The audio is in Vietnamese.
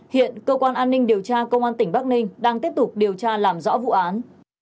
hiện cơ quan an ninh điều tra công an tỉnh bắc ninh đang tiếp tục điều tra làm rõ vụ án